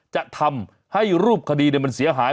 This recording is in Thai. จะทำให้รูปคดีมันเสียหาย